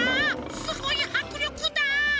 すごいはくりょくだ！